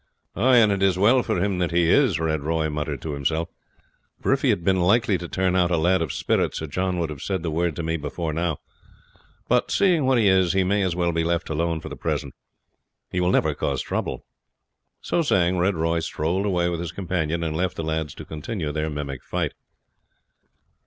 "And it is well for him that he is," Red Roy muttered to himself; "for if he had been likely to turn out a lad of spirit, Sir John would have said the word to me before now; but, seeing what he is, he may as well be left alone for the present. He will never cause trouble." So saying, Red Roy strolled away with his companion, and left the lads to continue their mimic fight.